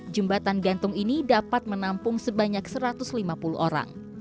jembatan gantung ini dapat menampung sebanyak satu ratus lima puluh orang